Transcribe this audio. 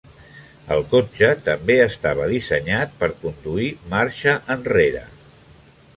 El cotxe també estava dissenyat per conduir marxa enrere.